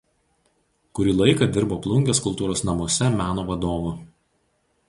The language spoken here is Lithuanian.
Kurį laiką dirbo Plungės kultūros namuose meno vadovu.